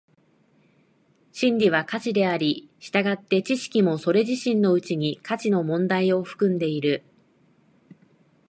真理は価値であり、従って知識もそれ自身のうちに価値の問題を含んでいる。